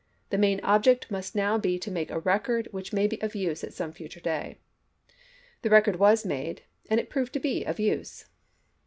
The main object must now be to make a record which may be of use at some future day." The record was made, and it proved to be of use.